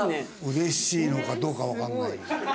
嬉しいのかどうかわかんない。